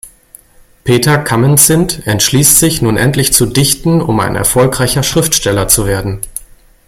Peter Camenzind entschließt sich, nun endlich zu dichten, um ein erfolgreicher Schriftsteller zu werden.